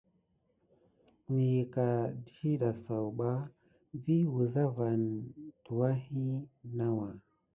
Nəyəka ɗiɗa zaouɓa vi wulza vane tuwaki nawà.